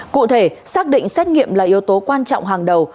cụ thể xác định xét nghiệm là yếu tố quan trọng hàng đầu